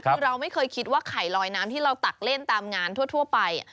คือเราไม่เคยคิดว่าไข่ลอยน้ำที่เราตักเล่นตามงานทั่วไป